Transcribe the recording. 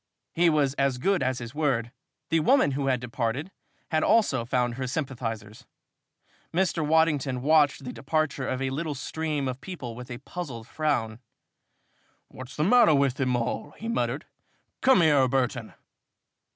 He was as good as his word. The woman who had departed had also found her sympathizers. Mr. Waddington watched the departure of a little stream of people with a puzzled frown. "What's the matter with them all?" he muttered. "Come here, Burton."